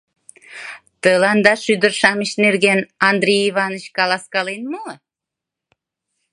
— Тыланда шӱдыр-шамыч нерген Андрей Иваныч каласкален мо?